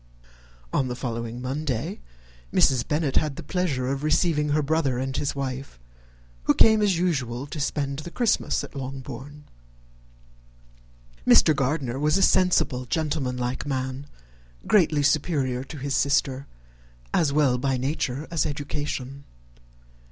On the following Monday, Mrs. Bennet had the pleasure of receiving her brother and his wife, who came, as usual, to spend the Christmas at Longbourn. Mr. Gardiner was a sensible, gentlemanlike man, greatly superior to his sister, as well by nature as education.